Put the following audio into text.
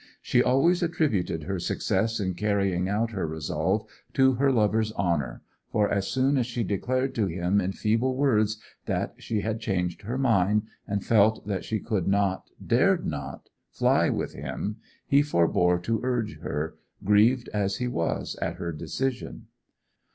She always attributed her success in carrying out her resolve to her lover's honour, for as soon as she declared to him in feeble words that she had changed her mind, and felt that she could not, dared not, fly with him, he forbore to urge her, grieved as he was at her decision.